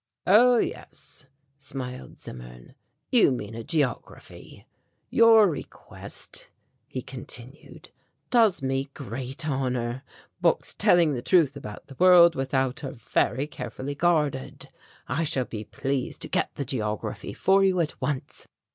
"Oh, yes," smiled Zimmern, "you mean a geography. Your request," he continued, "does me great honour. Books telling the truth about the world without are very carefully guarded. I shall be pleased to get the geography for you at once.